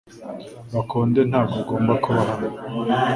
Bakonde ntabwo agomba kuba hano .